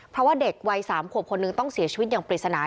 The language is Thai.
เพราะว่าเด็กวัย๓ขวบคนหนึ่งต้องเสียชีวิตอย่างปริศนา